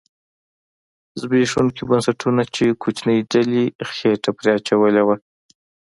زبېښوونکو بنسټونو چې کوچنۍ ډلې خېټه پرې اچولې وه